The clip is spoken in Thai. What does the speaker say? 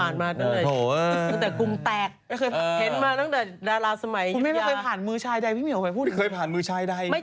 นิสัยไม่ดี